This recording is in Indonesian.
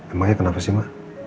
emangnya kenapa sih ma